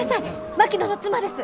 槙野の妻です！